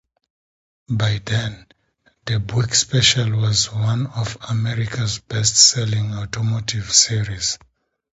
By then, the Buick Special was one of America's best selling automotive series.